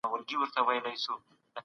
اسلام هر چا ته د عقيدې حق ورکړی دی.